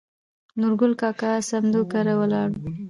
نورګل کاکا سمدو کره ولاړو.